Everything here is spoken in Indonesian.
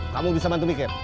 kamu bisa bantu mikir